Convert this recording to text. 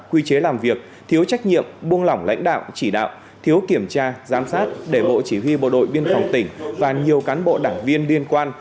quy chế làm việc thiếu trách nhiệm buông lỏng lãnh đạo chỉ đạo thiếu kiểm tra giám sát để bộ chỉ huy bộ đội biên phòng tỉnh và nhiều cán bộ đảng viên liên quan